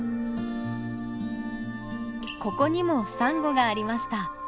ここにもサンゴがありました。